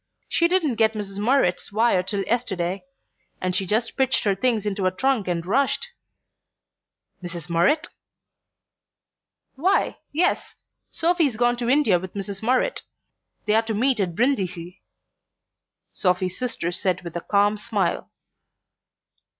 She didn't get Mrs. Murrett's wire till yesterday, and she just pitched her things into a trunk and rushed " "Mrs. Murrett?" "Why, yes. Sophy's gone to India with Mrs. Murrett; they're to meet at Brindisi," Sophy's sister said with a calm smile.